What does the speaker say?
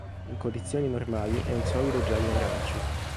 In condizioni normali è un solido giallo arancio.